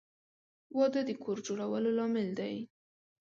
• واده د کور جوړولو لامل دی.